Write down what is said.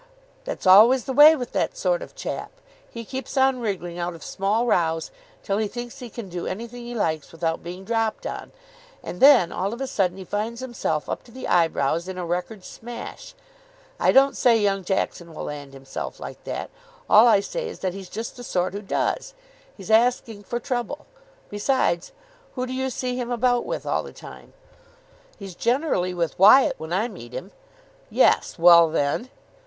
"That's always the way with that sort of chap. He keeps on wriggling out of small rows till he thinks he can do anything he likes without being dropped on, and then all of a sudden he finds himself up to the eyebrows in a record smash. I don't say young Jackson will land himself like that. All I say is that he's just the sort who does. He's asking for trouble. Besides, who do you see him about with all the time?" "He's generally with Wyatt when I meet him." "Yes. Well, then!"